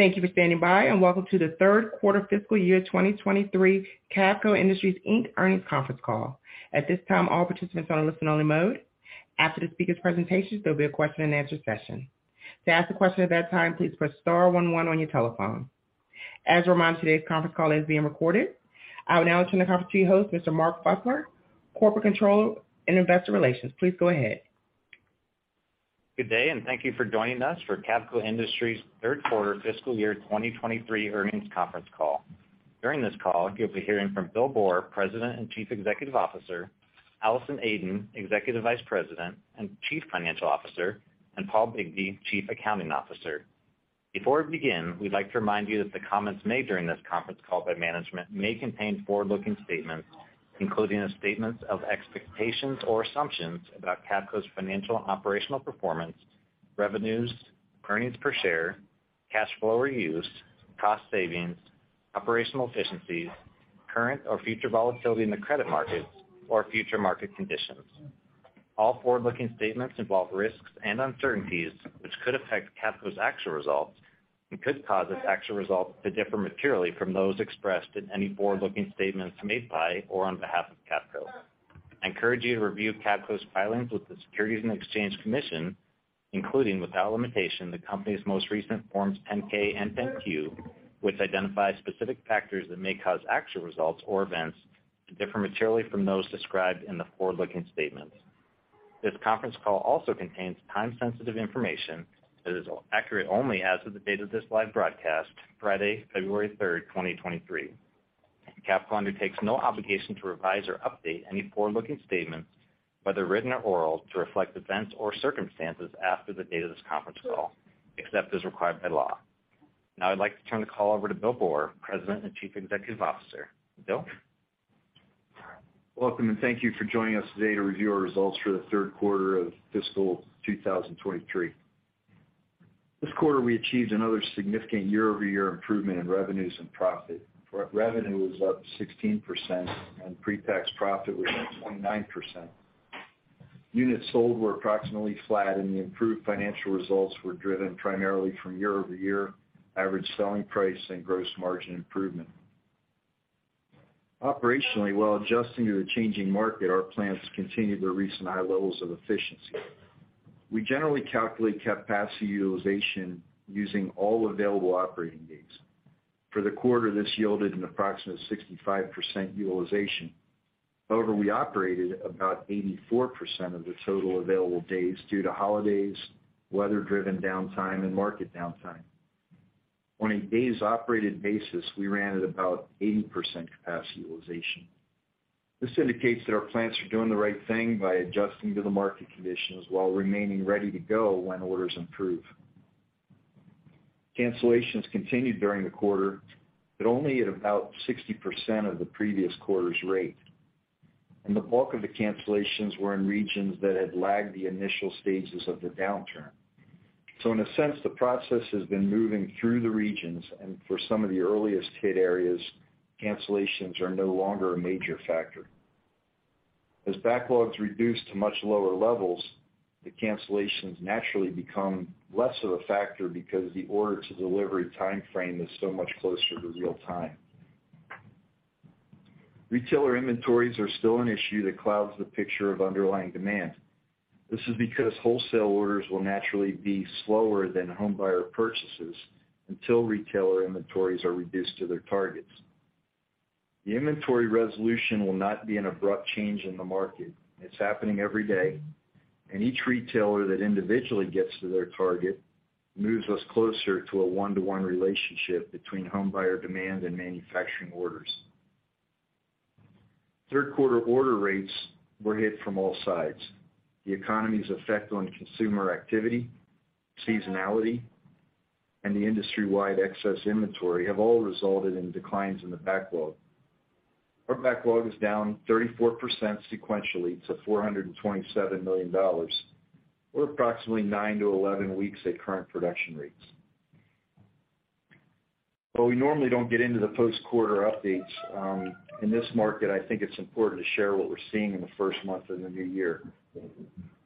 Thank you for standing by, and welcome to the Third Quarter Fiscal Year 2023 Cavco Industries, Inc. Earnings Conference Call. At this time, all participants are on listen-only mode. After the speaker's presentation, there'll be a question-and-answer session. To ask a question at that time, please press star one one on your telephone. As a reminder, today's conference call is being recorded. I will now turn the conference to your host, Mr. Mark Fusler, Corporate Controller and Investor Relations. Please go ahead. Good day, and thank you for joining us for Cavco Industries third quarter fiscal year 2023 earnings conference call. During this call, you'll be hearing from Bill Boor, President and Chief Executive Officer, Allison Aden, Executive Vice President and Chief Financial Officer, and Paul Bigbee, Chief Accounting Officer. Before we begin, we'd like to remind you that the comments made during this conference call by management may contain forward-looking statements, including the statements of expectations or assumptions about Cavco's financial and operational performance, revenues, earnings per share, cash flow or use, cost savings, operational efficiencies, current or future volatility in the credit markets or future market conditions. All forward-looking statements involve risks and uncertainties, which could affect Cavco's actual results and could cause its actual results to differ materially from those expressed in any forward-looking statements made by or on behalf of Cavco. I encourage you to review Cavco's filings with the Securities and Exchange Commission, including without limitation the company's most recent forms Form 10-K and Form 10-Q, which identify specific factors that may cause actual results or events to differ materially from those described in the forward-looking statements. This conference call also contains time-sensitive information that is accurate only as of the date of this live broadcast, Friday, February 3, 2023. Cavco undertakes no obligation to revise or update any forward-looking statements, whether written or oral, to reflect events or circumstances after the date of this conference call, except as required by law. I'd like to turn the call over to Bill Boor, President and Chief Executive Officer. Bill? Welcome. Thank you for joining us today to review our results for the third quarter of fiscal 2023. This quarter, we achieved another significant year-over-year improvement in revenues and profit. Revenue was up 16%, and pre-tax profit was up 29%. Units sold were approximately flat. The improved financial results were driven primarily from year-over-year average selling price and gross margin improvement. Operationally, while adjusting to the changing market, our plants continued their recent high levels of efficiency. We generally calculate capacity utilization using all available operating days. For the quarter, this yielded an approximate 65% utilization. However, we operated about 84% of the total available days due to holidays, weather-driven downtime, and market downtime. On a days operated basis, we ran at about 80% capacity utilization. This indicates that our plants are doing the right thing by adjusting to the market conditions while remaining ready to go when orders improve. Cancellations continued during the quarter, only at about 60% of the previous quarter's rate. The bulk of the cancellations were in regions that had lagged the initial stages of the downturn. In a sense, the process has been moving through the regions, and for some of the earliest hit areas, cancellations are no longer a major factor. As backlogs reduce to much lower levels, the cancellations naturally become less of a factor because the order to delivery time frame is so much closer to real time. Retailer inventories are still an issue that clouds the picture of underlying demand. This is because wholesale orders will naturally be slower than home buyer purchases until retailer inventories are reduced to their targets. The inventory resolution will not be an abrupt change in the market. It's happening every day. Each retailer that individually gets to their target moves us closer to a one-to-one relationship between home buyer demand and manufacturing orders. Third quarter order rates were hit from all sides. The economy's effect on consumer activity, seasonality, and the industry-wide excess inventory have all resulted in declines in the backlog. Our backlog is down 34% sequentially to $427 million, or approximately nine to 11 weeks at current production rates. Though we normally don't get into the post-quarter updates, in this market, I think it's important to share what we're seeing in the first month of the new year.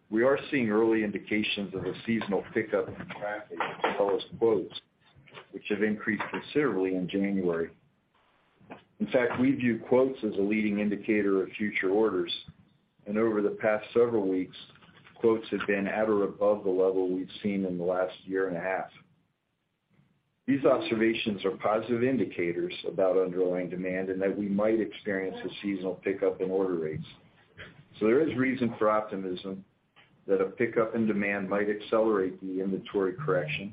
We are seeing early indications of a seasonal pickup in traffic as well as quotes, which have increased considerably in January. In fact, we view quotes as a leading indicator of future orders, over the past several weeks, quotes have been at or above the level we've seen in the last year and a half. These observations are positive indicators about underlying demand and that we might experience a seasonal pickup in order rates. There is reason for optimism that a pickup in demand might accelerate the inventory correction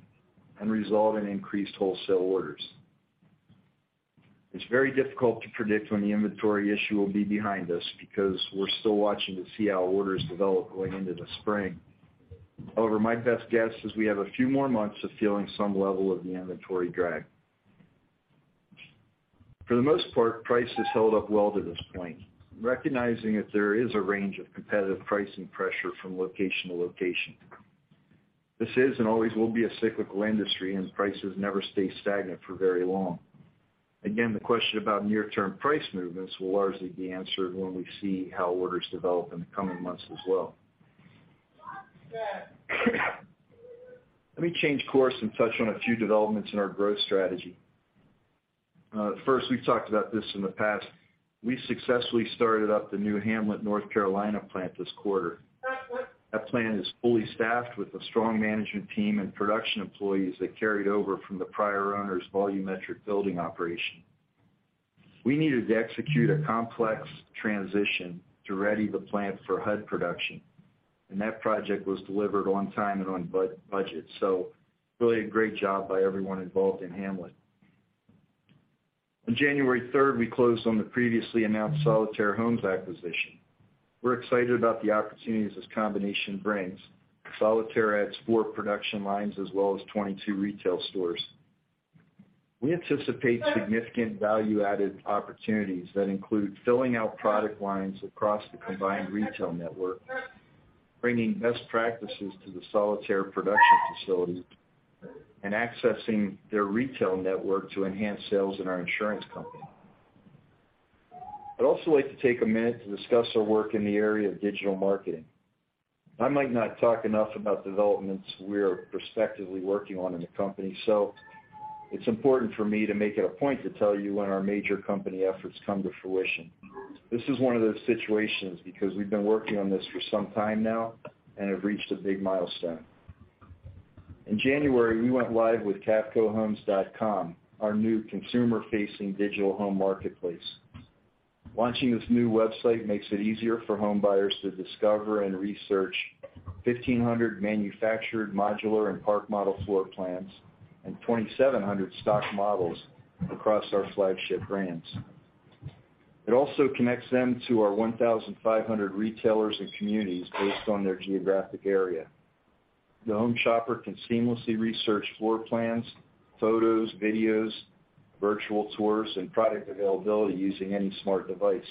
and result in increased wholesale orders. It's very difficult to predict when the inventory issue will be behind us because we're still watching to see how orders develop going into the spring. However, my best guess is we have a few more months of feeling some level of the inventory drag. For the most part, price has held up well to this point, recognizing that there is a range of competitive pricing pressure from location to location. This is and always will be a cyclical industry, and prices never stay stagnant for very long. Again, the question about near-term price movements will largely be answered when we see how orders develop in the coming months as well. Let me change course and touch on a few developments in our growth strategy. First, we've talked about this in the past, we successfully started up the new Hamlet, North Carolina plant this quarter. That plant is fully staffed with a strong management team and production employees that carried over from the prior owner's volumetric building operation. We needed to execute a complex transition to ready the plant for HUD production, and that project was delivered on time and on budget. Really a great job by everyone involved in Hamlet. On January third, we closed on the previously announced Solitaire Homes acquisition. We're excited about the opportunities this combination brings. Solitaire adds four production lines as well as 22 retail stores. We anticipate significant value-added opportunities that include filling out product lines across the combined retail network, bringing best practices to the Solitaire production facility, and accessing their retail network to enhance sales in our insurance company. I'd also like to take a minute to discuss our work in the area of digital marketing. I might not talk enough about developments we are prospectively working on in the company, so it's important for me to make it a point to tell you when our major company efforts come to fruition. This is one of those situations because we've been working on this for some time now and have reached a big milestone. In January, we went live with cavcohomes.com, our new consumer-facing digital home marketplace. Launching this new website makes it easier for home buyers to discover and research 1,500 manufactured, modular, and park model floor plans, and 2,700 stock models across our flagship brands. It also connects them to our 1,500 retailers and communities based on their geographic area. The home shopper can seamlessly research floor plans, photos, videos, virtual tours, and product availability using any smart device.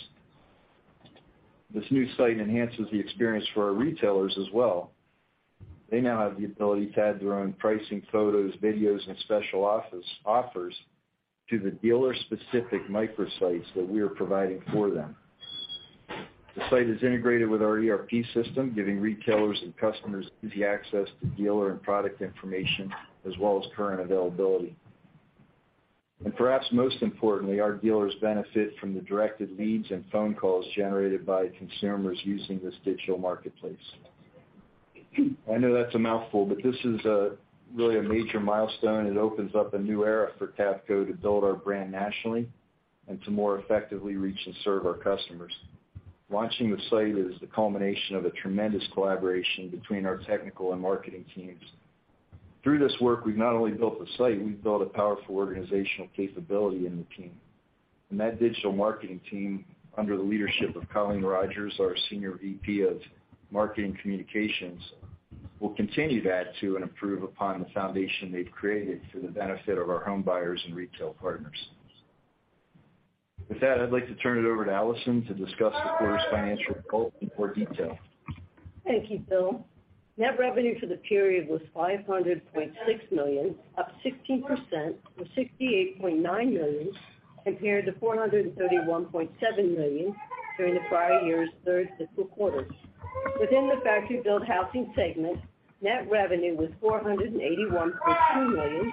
This new site enhances the experience for our retailers as well. They now have the ability to add their own pricing, photos, videos, and special offers to the dealer-specific microsites that we are providing for them. The site is integrated with our ERP system, giving retailers and customers easy access to dealer and product information as well as current availability. Perhaps most importantly, our dealers benefit from the directed leads and phone calls generated by consumers using this digital marketplace. I know that's a mouthful, but this is really a major milestone. It opens up a new era for Cavco to build our brand nationally and to more effectively reach and serve our customers. Launching the site is the culmination of a tremendous collaboration between our technical and marketing teams. Through this work, we've not only built the site, we've built a powerful organizational capability in the team. That digital marketing team, under the leadership of Colleen Rogers, our Senior VP of Marketing Communications, will continue to add to and improve upon the foundation they've created for the benefit of our home buyers and retail partners. With that, I'd like to turn it over to Allison to discuss the quarter's financial results in more detail. Thank you, Bill. Net revenue for the period was $500.6 million, up 16% from $68.9 million, compared to $431.7 million during the prior year's third fiscal quarter. Within the factory-built housing segment, net revenue was $481.2 million,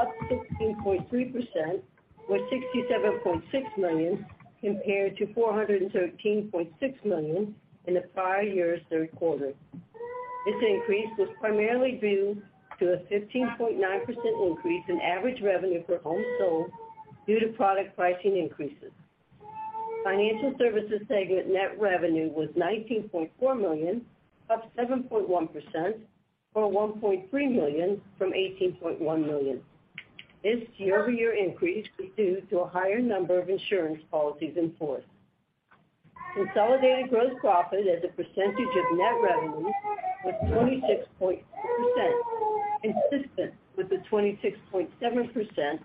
up 16.3%, or $67.6 million compared to $413.6 million in the prior year's third quarter. This increase was primarily due to a 15.9% increase in average revenue per home sold due to product pricing increases. Financial services segment net revenue was $19.4 million, up 7.1% for $1.3 million from $18.1 million. This year-over-year increase was due to a higher number of insurance policies in force. Consolidated gross profit as a percentage of net revenue was 26.0%, consistent with the 26.7%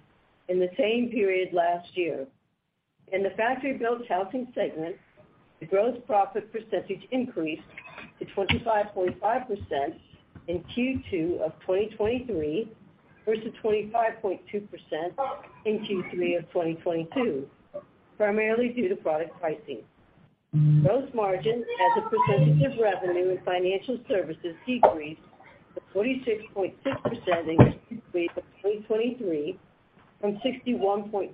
in the same period last year. In the factory-built housing segment, the gross profit percentage increased to 25.5% in Q2 2023 versus 25.2% in Q3 2022, primarily due to product pricing. Gross margin as a percentage of revenue and financial services decreased to 46.6% in Q3 2023 from 61.2%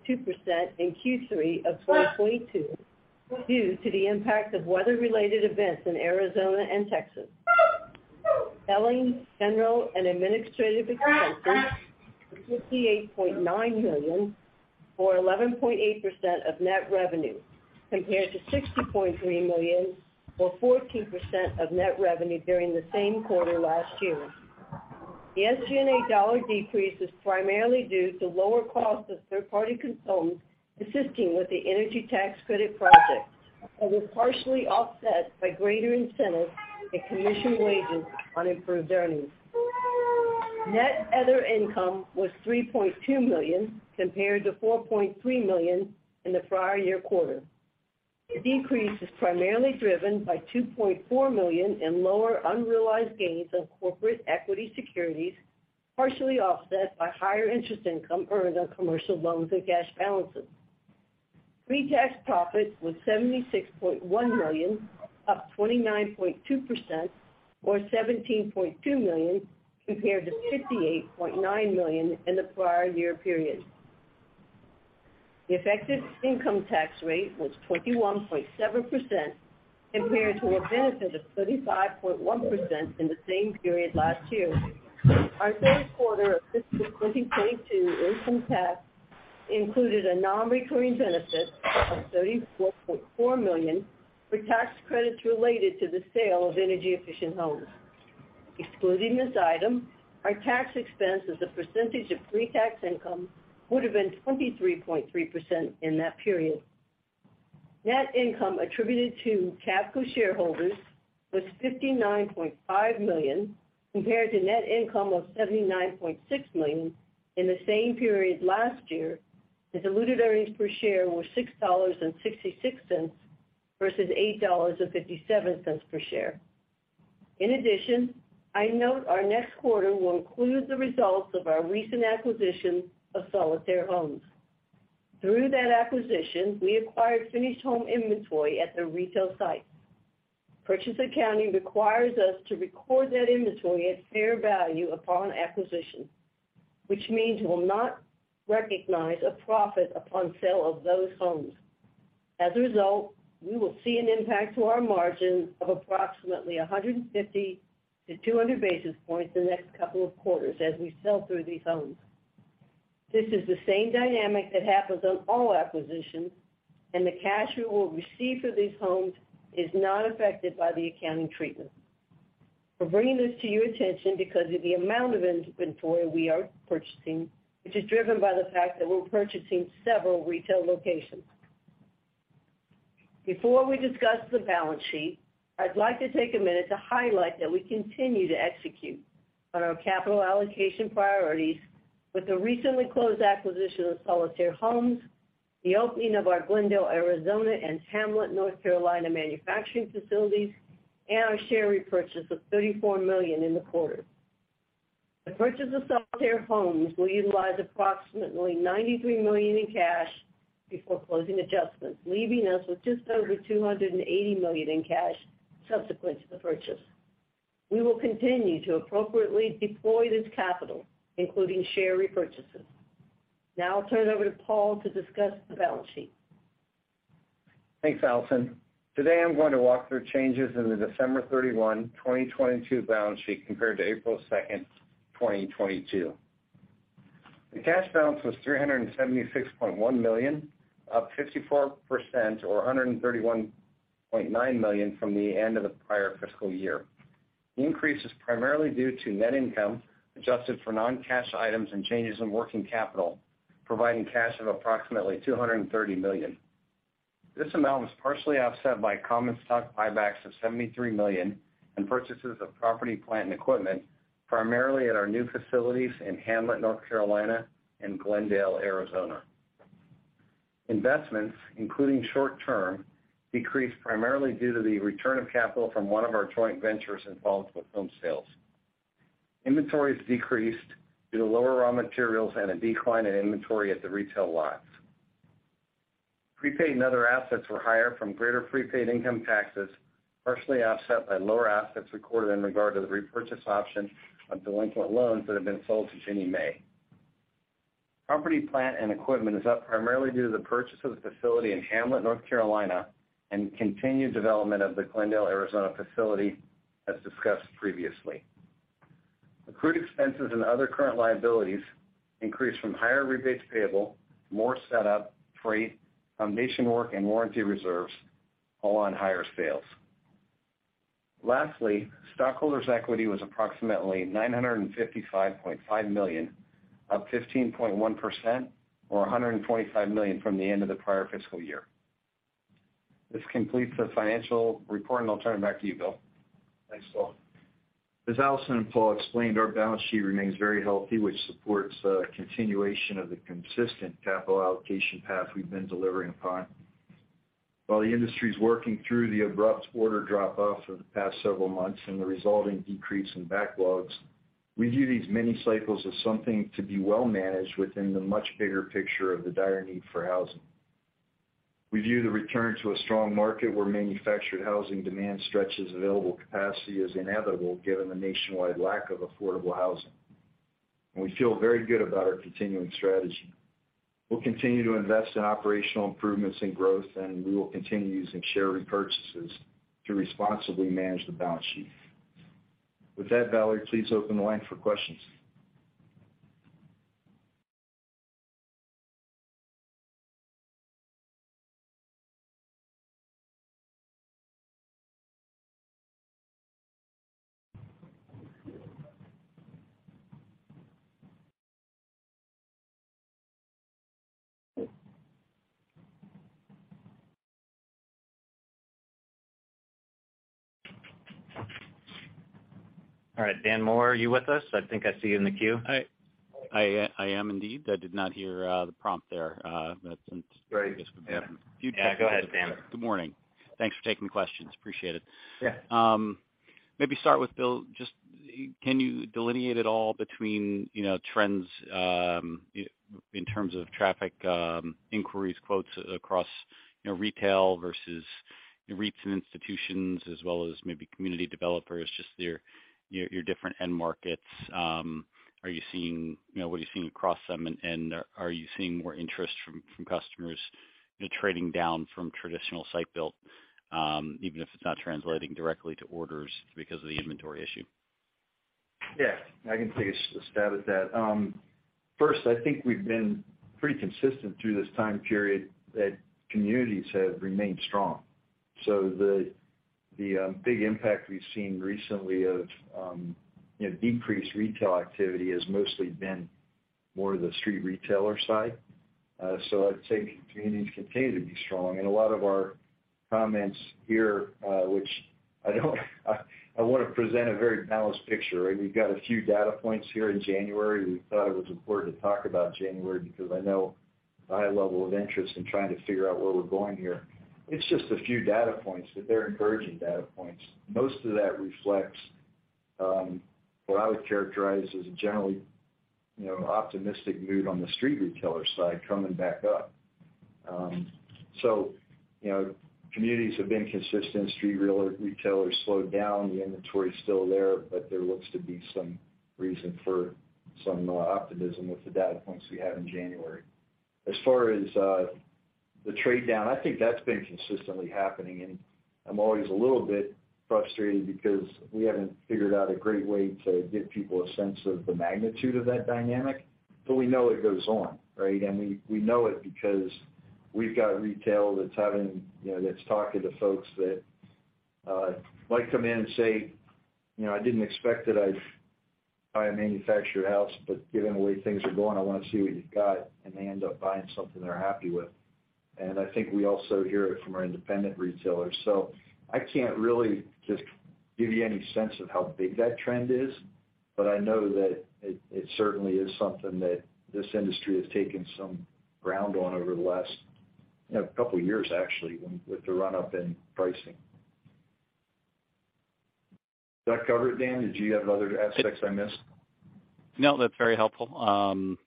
in Q3 2022, due to the impact of weather-related events in Arizona and Texas. Selling, general, and administrative expenses, $58.9 million or 11.8% of net revenue, compared to $60.3 million or 14% of net revenue during the same quarter last year. The SG&A dollar decrease is primarily due to lower cost of third-party consultants assisting with the energy tax credit project and were partially offset by greater incentives and commission wages on improved earnings. Net other income was $3.2 million compared to $4.3 million in the prior year quarter. The decrease is primarily driven by $2.4 million in lower unrealized gains on corporate equity securities, partially offset by higher interest income earned on commercial loans and cash balances. Pretax profit was $76.1 million, up 29.2% or $17.2 million compared to $58.9 million in the prior year period. The effective income tax rate was 21.7% compared to a benefit of 35.1% in the same period last year. Our third quarter of fiscal 2022 income tax included a nonrecurring benefit of $34.4 million for tax credits related to the sale of energy-efficient homes. Excluding this item, our tax expense as a percentage of pretax income would have been 23.3% in that period. Net income attributed to Cavco shareholders was $59.5 million compared to net income of $79.6 million in the same period last year, as diluted earnings per share were $6.66 versus $8.57 per share. In addition, I note our next quarter will include the results of our recent acquisition of Solitaire Homes. Through that acquisition, we acquired finished home inventory at their retail sites. Purchase accounting requires us to record that inventory at fair value upon acquisition, which means we'll not recognize a profit upon sale of those homes. As a result, we will see an impact to our margin of approximately 150 to 200 basis points the next couple of quarters as we sell through these homes. This is the same dynamic that happens on all acquisitions, and the cash we will receive for these homes is not affected by the accounting treatment. We're bringing this to your attention because of the amount of inventory we are purchasing, which is driven by the fact that we're purchasing several retail locations. Before we discuss the balance sheet, I'd like to take a minute to highlight that we continue to execute on our capital allocation priorities with the recently closed acquisition of Solitaire Homes, the opening of our Glendale, Arizona, and Hamlet, North Carolina, manufacturing facilities, and our share repurchase of $34 million in the quarter. The purchase of Solitaire Homes will utilize approximately $93 million in cash before closing adjustments, leaving us with just over $280 million in cash subsequent to the purchase. We will continue to appropriately deploy this capital, including share repurchases. I'll turn it over to Paul to discuss the balance sheet. Thanks, Allison. Today, I'm going to walk through changes in the December 31, 2022 balance sheet compared to April 2, 2022. The cash balance was $376.1 million, up 54% or $131.9 million from the end of the prior fiscal year. The increase is primarily due to net income adjusted for non-cash items and changes in working capital, providing cash of approximately $230 million. This amount was partially offset by common stock buybacks of $73 million and purchases of property, plant, and equipment, primarily at our new facilities in Hamlet, North Carolina, and Glendale, Arizona. Investments, including short term, decreased primarily due to the return of capital from one of our joint ventures and volatile home sales. Inventories decreased due to lower raw materials and a decline in inventory at the retail lots. Prepaid and other assets were higher from greater prepaid income taxes, partially offset by lower assets recorded in regard to the repurchase option of delinquent loans that have been sold to Ginnie Mae. Property, plant, and equipment is up primarily due to the purchase of the facility in Hamlet, North Carolina, and continued development of the Glendale, Arizona, facility, as discussed previously. Accrued expenses and other current liabilities increased from higher rebates payable, more setup, freight, foundation work, and warranty reserves, all on higher sales. Lastly, stockholders' equity was approximately $955.5 million, up 15.1% or $125 million from the end of the prior fiscal year. This completes the financial report, and I'll turn it back to you, Bill. Thanks, Paul. As Allison and Paul explained, our balance sheet remains very healthy, which supports continuation of the consistent capital allocation path we've been delivering upon. While the industry's working through the abrupt order drop-off for the past several months and the resulting decrease in backlogs, we view these mini cycles as something to be well managed within the much bigger picture of the dire need for housing. We view the return to a strong market where manufactured housing demand stretches available capacity as inevitable given the nationwide lack of affordable housing, and we feel very good about our continuing strategy. We'll continue to invest in operational improvements and growth, and we will continue using share repurchases to responsibly manage the balance sheet. With that, Valerie, please open the line for questions. All right. Dan Moore, are you with us? I think I see you in the queue. I am indeed. I did not hear the prompt there. Great. Yeah. I guess we haven't. Yeah, go ahead, Dan. Good morning. Thanks for taking the questions. Appreciate it. Yeah. Maybe start with Bill, just can you delineate at all between, you know, trends, in terms of traffic, inquiries, quotes across, you know, retail versus REITs and institutions as well as maybe community developers, just your different end markets. Are you seeing, you know, what are you seeing across them, and are you seeing more interest from customers, you know, trading down from traditional site built, even if it's not translating directly to orders because of the inventory issue? Yeah, I can take a stab at that. First, I think we've been pretty consistent through this time period that communities have remained strong. The big impact we've seen recently of, you know, decreased retail activity has mostly been more the street retailer side. I'd say communities continue to be strong. A lot of our comments here, which I don't I wanna present a very balanced picture. We've got a few data points here in January. We thought it was important to talk about January because I know the high level of interest in trying to figure out where we're going here. It's just a few data points, but they're encouraging data points. Most of that reflects, what I would characterize as a generally, you know, optimistic mood on the street retailer side coming back up. You know, communities have been consistent. Street retailers slowed down. The inventory is still there, but there looks to be some reason for some optimism with the data points we have in January. As far as the trade down, I think that's been consistently happening, and I'm always a little bit frustrated because we haven't figured out a great way to give people a sense of the magnitude of that dynamic, but we know it goes on, right? We, we know it because we've got retail that's having, you know, that's talking to folks that might come in and say, "You know, I didn't expect that I'd buy a manufactured house, but given the way things are going, I want to see what you've got," and they end up buying something they're happy with. I think we also hear it from our independent retailers. I can't really just give you any sense of how big that trend is, but I know that it certainly is something that this industry has taken some ground on over the last, you know, couple years, actually, with the run-up in pricing. Does that cover it, Dan? Did you have other aspects I missed? No, that's very helpful. Kind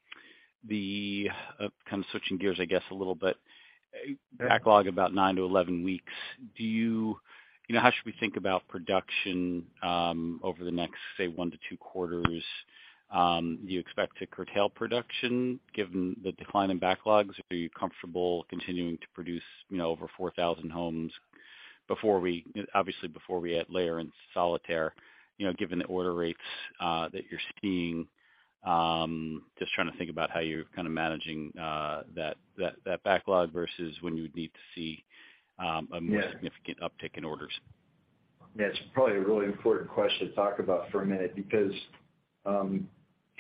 of switching gears, I guess, a little bit. Backlog about 9-11 weeks. You know, how should we think about production over the next, say, one to two quarters? Do you expect to curtail production given the decline in backlogs? Are you comfortable continuing to produce, you know, over 4,000 homes before we, obviously, before we add layering on Solitaire, you know, given the order rates that you're seeing? Just trying to think about how you're kind of managing that backlog versus when you would need to see a more significant uptick in orders. Yeah, it's probably a really important question to talk about for a minute because,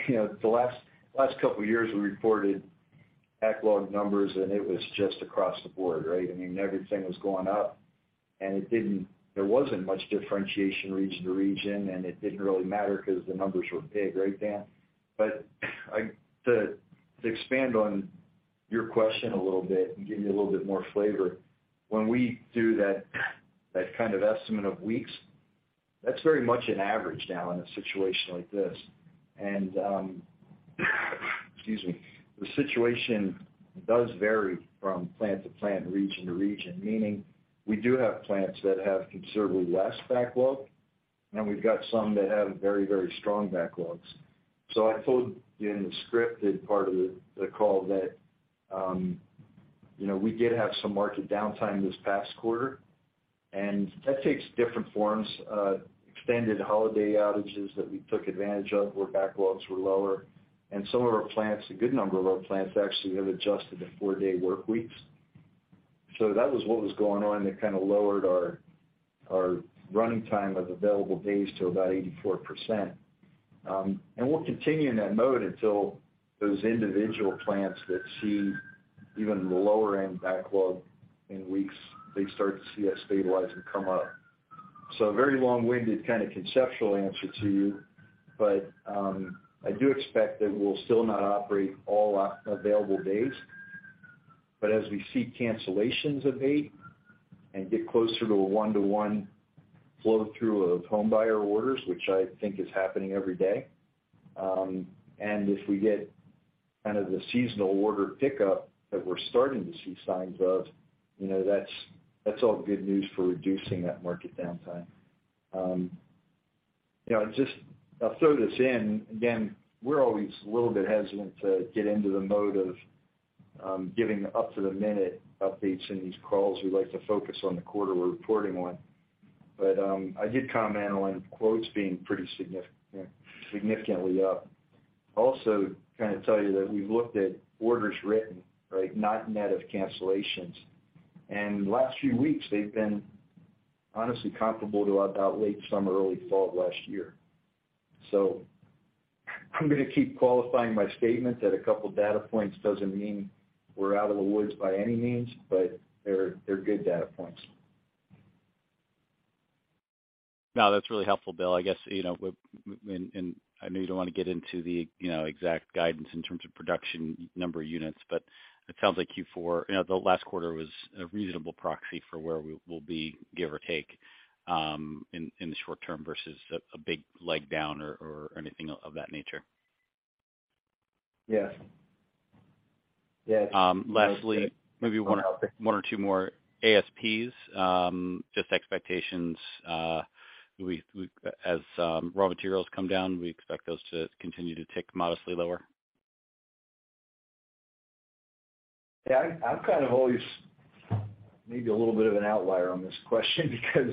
you know, the last couple of years, we reported backlog numbers, and it was just across the board, right? I mean, everything was going up, it didn't. There wasn't much differentiation region to region, and it didn't really matter because the numbers were big, right, Dan? To expand on your question a little bit and give you a little bit more flavor, when we do that kind of estimate of weeks, that's very much an average now in a situation like this. Excuse me. The situation does vary from plant to plant, region to region, meaning we do have plants that have considerably less backlog, and we've got some that have very strong backlogs. I told you in the scripted part of the call that, you know, we did have some market downtime this past quarter, and that takes different forms, extended holiday outages that we took advantage of where backlogs were lower. Some of our plants, a good number of our plants, actually, have adjusted to four-day work weeks. That was what was going on that kind of lowered our running time of available days to about 84%. We'll continue in that mode until those individual plants that see even lower-end backlog in weeks, they start to see that stabilize and come up. A very long-winded kind of conceptual answer to you, but I do expect that we'll still not operate all available days. As we see cancellations abate and get closer to a one-to-one flow through of homebuyer orders, which I think is happening every day, if we get kind of the seasonal order pickup that we're starting to see signs of, you know, that's all good news for reducing that market downtime. You know, just I'll throw this in. Again, we're always a little bit hesitant to get into the mode of giving up to the minute updates in these calls. We like to focus on the quarter we're reporting on. I did comment on quotes being pretty significantly up. Also to kind of tell you that we've looked at orders written, right, not net of cancellations. Last few weeks, they've been honestly comparable to about late summer, early fall of last year. I'm gonna keep qualifying my statement that a couple data points doesn't mean we're out of the woods by any means, but they're good data points. No, that's really helpful, Bill. I guess, you know, and I know you don't want to get into the, you know, exact guidance in terms of production number of units, but it sounds like Q4, you know, the last quarter was a reasonable proxy for where we will be, give or take, in the short term versus a big leg down or anything of that nature. Yes. Yes. Lastly, maybe one or two more ASPs, just expectations. We as raw materials come down, we expect those to continue to tick modestly lower. Yeah. I'm kind of always maybe a little bit of an outlier on this question because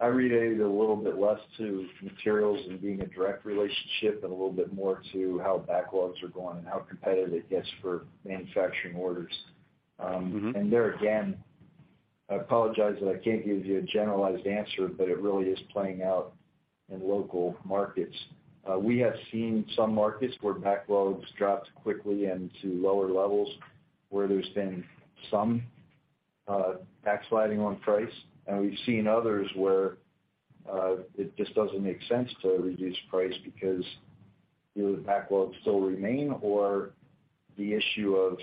I relate it a little bit less to materials and being a direct relationship and a little bit more to how backlogs are going and how competitive it gets for manufacturing orders. Mm-hmm. There again, I apologize that I can't give you a generalized answer, but it really is playing out in local markets. We have seen some markets where backlogs dropped quickly and to lower levels, where there's been some backsliding on price. We've seen others where it just doesn't make sense to reduce price because either the backlogs still remain or the issue of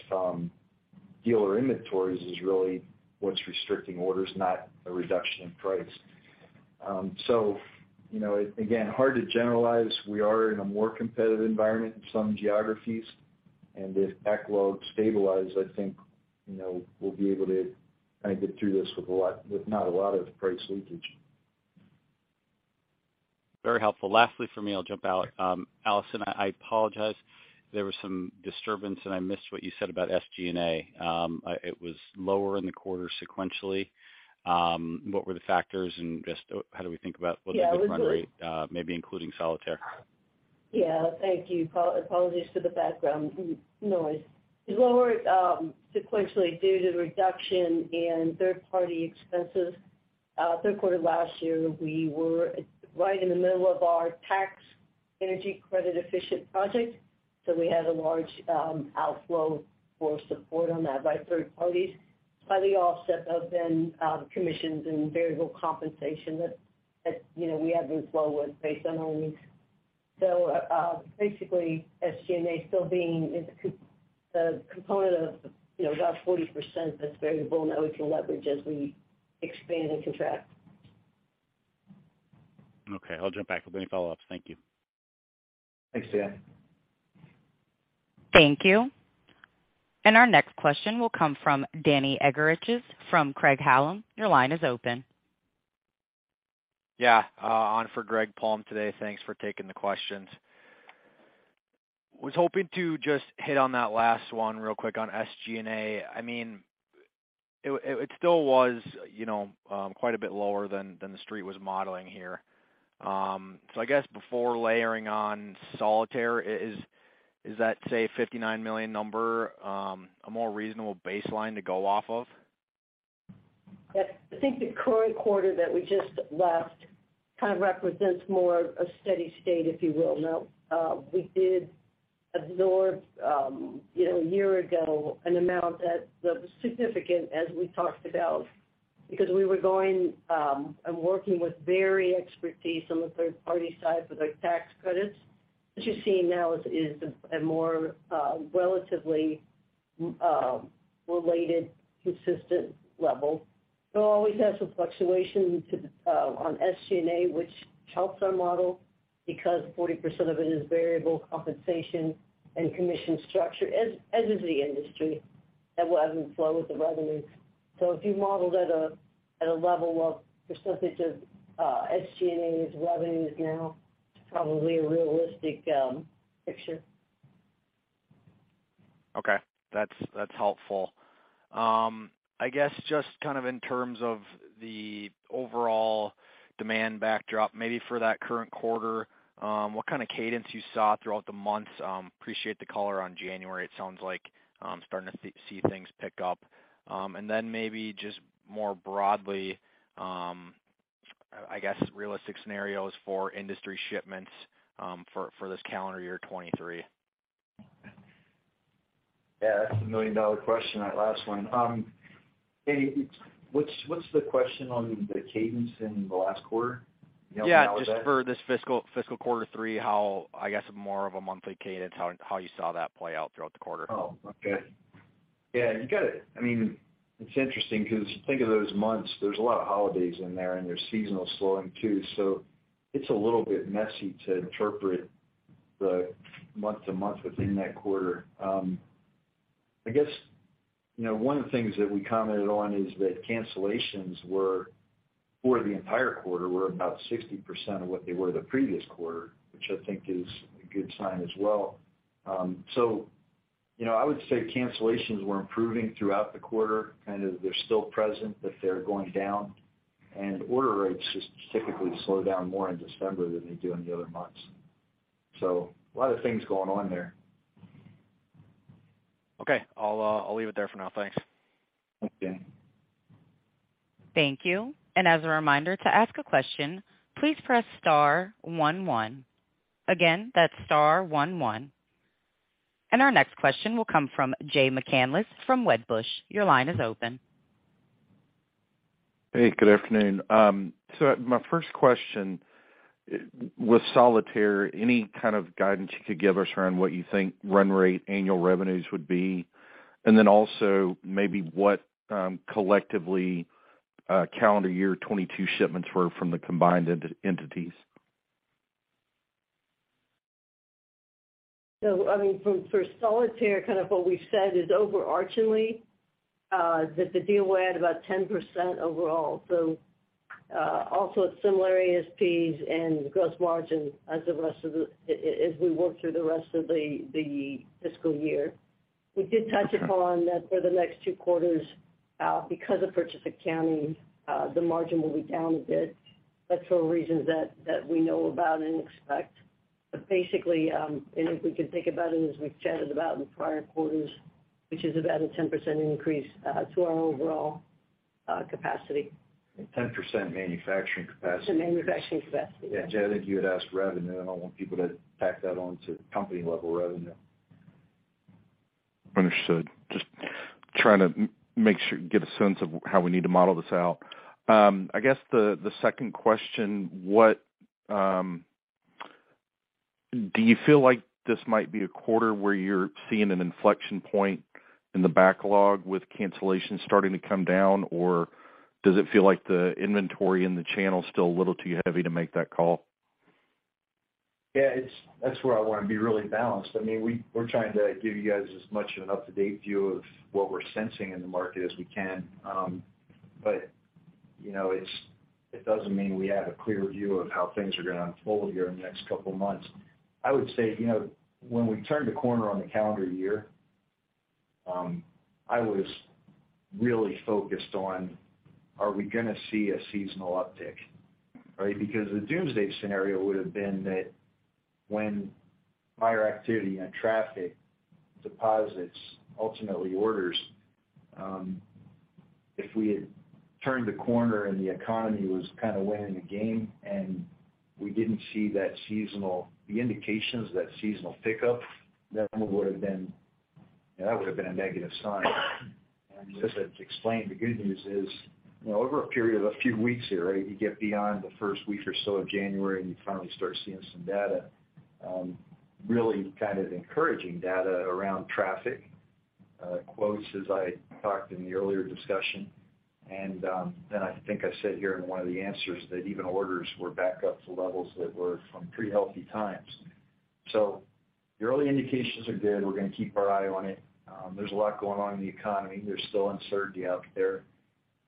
dealer inventories is really what's restricting orders, not a reduction in price. You know, again, hard to generalize. We are in a more competitive environment in some geographies, and if backlogs stabilize, I think, you know, we'll be able to kind of get through this with not a lot of price leakage. Very helpful. Lastly from me, I'll jump out. Allison, I apologize. There was some disturbance, and I missed what you said about SG&A. It was lower in the quarter sequentially. What were the factors and just how do we think about what the good run rate- Yeah. Maybe including Solitaire? Thank you. Apologies for the background noise. It lowered sequentially due to reduction in third-party expenses. Third quarter last year, we were right in the middle of our Energy Tax Credit efficient project, so we had a large outflow for support on that by third parties. Highly offset, though, then, commissions and variable compensation that, you know, we have been flow with based on earnings. Basically, SG&A still being the component of, you know, about 40% that's variable now we can leverage as we expand and contract. Okay. I'll jump back with any follow-ups. Thank you. Thanks, Dan. Thank you. Our next question will come from Danny Eggerichs from Craig-Hallum. Your line is open. Yeah. On for Greg Palm today. Thanks for taking the questions. Was hoping to just hit on that last one real quick on SG&A. I mean, it still was, you know, quite a bit lower than The Street was modeling here. I guess before layering on Solitaire, is that, say, $59 million number, a more reasonable baseline to go off of? Yeah. I think the current quarter that we just left kind of represents more of a steady state, if you will. Now, we did absorb, you know, a year ago an amount that was significant as we talked about because we were going and working with very expertise on the third party side for their tax credits. What you're seeing now is a more relatively related, consistent level. It'll always have some fluctuations on SG&A, which helps our model because 40% of it is variable compensation and commission structure, as is the industry that will ebb and flow with the revenues. If you modeled at a level of percentage of SG&A as revenues now, it's probably a realistic picture. Okay. That's, that's helpful. I guess just kind of in terms of the overall demand backdrop, maybe for that current quarter, what kind of cadence you saw throughout the months? Appreciate the color on January. It sounds like starting to see things pick up. Maybe just more broadly, I guess realistic scenarios for industry shipments for this calendar year 2023. Yeah. That's the million-dollar question, that last one. Danny, what's the question on the cadence in the last quarter? Can you help me out with that? Just for this fiscal quarter three, how, I guess, more of a monthly cadence, how you saw that play out throughout the quarter? Okay. I mean, it's interesting because think of those months, there's a lot of holidays in there. There's seasonal slowing too. It's a little bit messy to interpret the month-to-month within that quarter. I guess, you know, one of the things that we commented on is that cancellations were, for the entire quarter, were about 60% of what they were the previous quarter, which I think is a good sign as well. You know, I would say cancellations were improving throughout the quarter, kind of they're still present. They're going down. Order rates just typically slow down more in December than they do in the other months. A lot of things going on there. Okay. I'll leave it there for now. Thanks. Thanks, Danny. Thank you. As a reminder, to ask a question, please press star one. Again, that's star one. Our next question will come from Jay McCanless from Wedbush. Your line is open. Hey, good afternoon. My first question, with Solitaire, any kind of guidance you could give us around what you think run rate annual revenues would be? Also maybe what, collectively, calendar year 2022 shipments were from the combined entities? I mean, from, for Solitaire, kind of what we've said is overarchingly, that the deal will add about 10% overall. Also similar ASPs and gross margin as we work through the rest of the fiscal year. We did touch upon that for the next two quarters, because of purchase accounting, the margin will be down a bit. That's for reasons that we know about and expect. Basically, and if we can think about it, as we've chatted about in prior quarters, which is about a 10% increase, to our overall capacity. 10% manufacturing capacity. The manufacturing capacity. Yeah. Jay, I think you had asked revenue, and I want people to tack that on to company-level revenue. Understood. Just trying to make sure, get a sense of how we need to model this out. I guess the second question, Do you feel like this might be a quarter where you're seeing an inflection point in the backlog with cancellations starting to come down, or does it feel like the inventory in the channel is still a little too heavy to make that call? Yeah, that's where I wanna be really balanced. I mean, we're trying to give you guys as much of an up-to-date view of what we're sensing in the market as we can. You know, it doesn't mean we have a clear view of how things are gonna unfold here in the next couple months. I would say, you know, when we turned the corner on the calendar year, I was really focused on, are we gonna see a seasonal uptick, right? Because the doomsday scenario would have been that when buyer activity and traffic deposits, ultimately orders, if we had turned the corner and the economy was kinda winning the game and we didn't see the indications of that seasonal pickup, that would have been a negative sign. Just to explain, the good news is, you know, over a period of a few weeks here, right, you get beyond the first week or so of January and you finally start seeing some data, really kind of encouraging data around traffic, quotes as I talked in the earlier discussion. I think I said here in one of the answers that even orders were back up to levels that were from pretty healthy times. The early indications are good. We're gonna keep our eye on it. There's a lot going on in the economy. There's still uncertainty out there,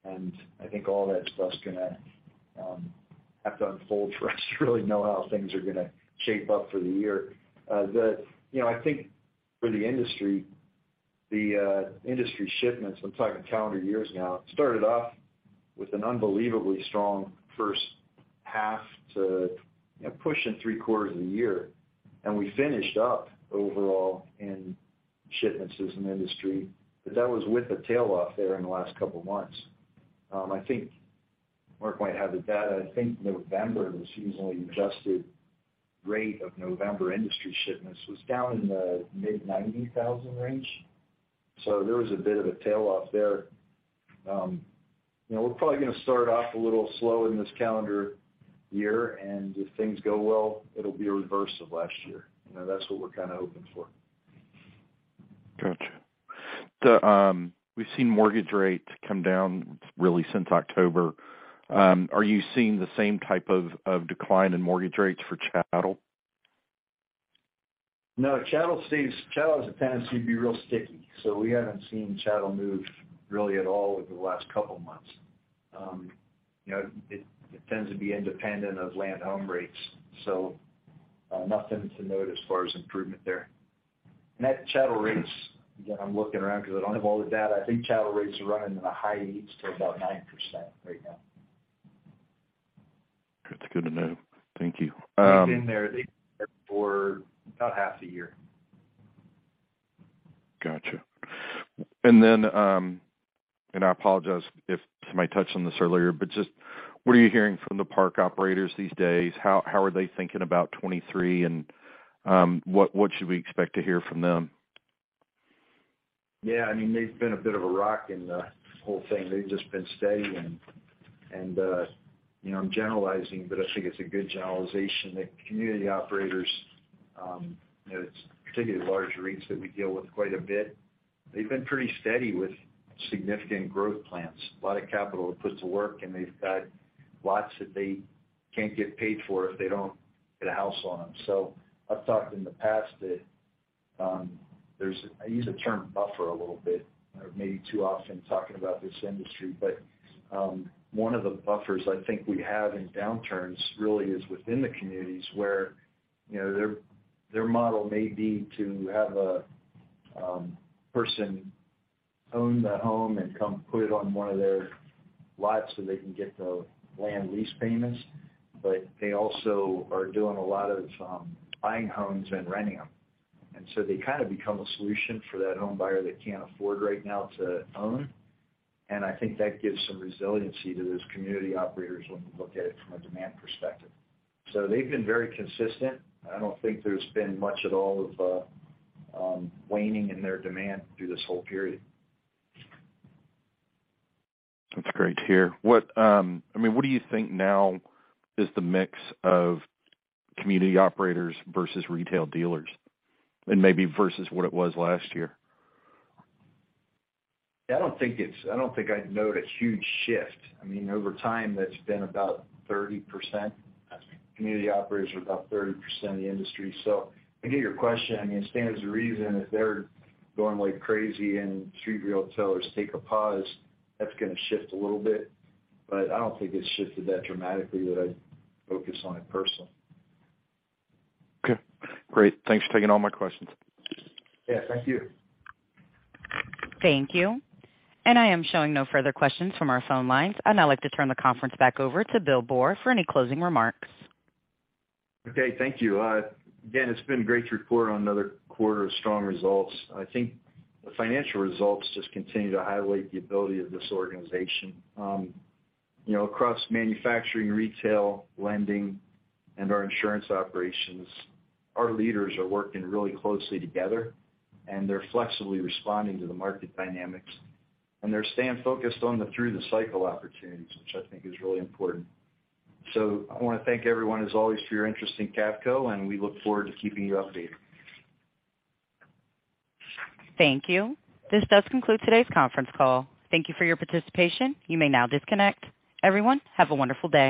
and I think all that stuff's gonna have to unfold for us to really know how things are gonna shape up for the year. You know, I think for the industry, the industry shipments, I'm talking calendar years now, started off with an unbelievably strong first half to pushing three-quarters of the year, we finished up overall in shipments as an industry, but that was with a tailoff there in the last couple months. I think Mark might have the data. I think November, the seasonally adjusted rate of November industry shipments was down in the mid 90,000 range. There was a bit of a tailoff there. You know, we're probably gonna start off a little slow in this calendar year, if things go well, it'll be a reverse of last year. You know, that's what we're kinda hoping for. Gotcha. The, we've seen mortgage rates come down really since October. Are you seeing the same type of decline in mortgage rates for chattel? No, chattel has a tendency to be real sticky. We haven't seen chattel move really at all over the last couple months. You know, it tends to be independent of land home rates. Nothing to note as far as improvement there. Net chattel rates, again, I'm looking around because I don't have all the data. I think chattel rates are running in the high 8s to about 9% right now. That's good to know. Thank you. They've been there, they've been there for about half a year. Gotcha. I apologize if somebody touched on this earlier, but just what are you hearing from the park operators these days? How are they thinking about 2023? What should we expect to hear from them? Yeah, I mean, they've been a bit of a rock in the whole thing. They've just been steady and, you know, I'm generalizing, but I think it's a good generalization that community operators, you know, it's particularly large REITs that we deal with quite a bit. They've been pretty steady with significant growth plans, a lot of capital to put to work, and they've got lots that they can't get paid for if they don't get a house on them. I've talked in the past that there's. I use the term buffer a little bit, or maybe too often talking about this industry, but one of the buffers I think we have in downturns really is within the communities where, you know, their model may be to have a person own the home and come put it on one of their lots so they can get the land lease payments. They also are doing a lot of buying homes and renting them. They kind of become a solution for that homebuyer that can't afford right now to own. I think that gives some resiliency to those community operators when you look at it from a demand perspective. They've been very consistent. I don't think there's been much at all of waning in their demand through this whole period. That's great to hear. What, I mean, what do you think now is the mix of community operators versus retail dealers, and maybe versus what it was last year? I don't think I'd note a huge shift. I mean, over time, that's been about 30%. Community operators are about 30% of the industry. I get your question. I mean, it stands to reason if they're going like crazy and street retail sellers take a pause, that's gonna shift a little bit. I don't think it's shifted that dramatically that I'd focus on it personally. Okay, great. Thanks for taking all my questions. Yeah, thank you. Thank you. I am showing no further questions from our phone lines. I'd now like to turn the conference back over to Bill Boor for any closing remarks. Okay, thank you. Again, it's been great to report on another quarter of strong results. I think the financial results just continue to highlight the ability of this organization. You know, across manufacturing, retail, lending, and our insurance operations, our leaders are working really closely together, and they're flexibly responding to the market dynamics, and they're staying focused on the through-the-cycle opportunities, which I think is really important. I wanna thank everyone, as always, for your interest in Cavco, and we look forward to keeping you updated. Thank you. This does conclude today's conference call. Thank you for your participation. You may now disconnect. Everyone, have a wonderful day.